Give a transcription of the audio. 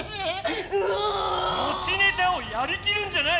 もちネタをやりきるんじゃない！